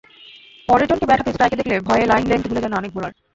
পরেরজনকে bat হাতে স্ট্রাইকে দেখলে ভয়ে লাইন-লেংথ ভুলে যান অনেক বোলার।